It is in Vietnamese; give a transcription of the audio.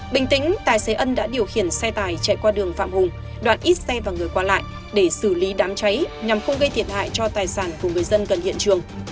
bình tĩnh tài xế ân đã điều khiển xe tải chạy qua đường phạm hùng đoạn ít xe và người qua lại để xử lý đám cháy nhằm không gây thiệt hại cho tài sản của người dân gần hiện trường